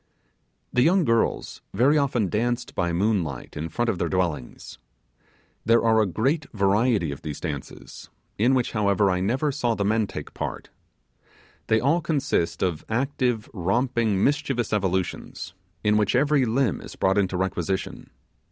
The young girls very often danced by moonlight in front of their dwellings. There are a great variety of these dances, in which, however, I never saw the men take part. They all consist of active, romping, mischievous evolutions, in which every limb is brought into requisition.